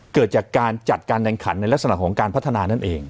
เกิดจากการจัดการแข่งขันในลักษณะของการพัฒนานั่นเอง